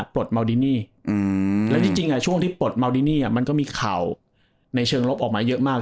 ปลดแมลเดีนีอืมและจริงค่ะช่วงที่ปลดมันก็มีข่าวในเชิงรถออกมา